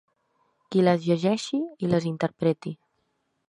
Qui les llegeixi i les interpreti.